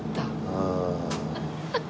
ああ。